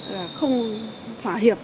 là không thỏa hiệp